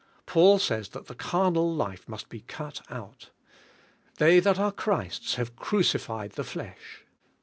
Paul says that the carnal life must be cut out. ''They that are Christ's have crucified the flesh."